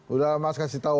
udah mas kasih tau